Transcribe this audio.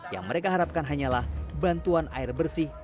yang mereka harapkan hanyalah bantuan air bersih